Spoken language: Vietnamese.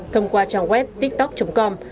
thông qua trang web tiktok com